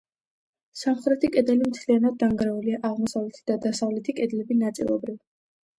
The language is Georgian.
სამხრეთი კედელი მთლიანად დანგრეულია, აღმოსავლეთი და დასავლეთი კედლები ნაწილობრივ.